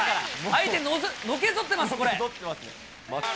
相手、のけぞってますよ、これ。